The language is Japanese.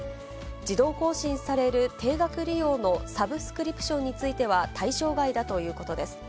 自動更新される定額利用のサブスクリプションについては対象外だということです。